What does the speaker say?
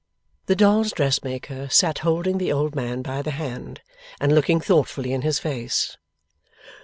The dolls' dressmaker sat holding the old man by the hand, and looking thoughtfully in his face.